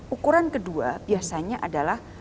ukuran kedua biasanya adalah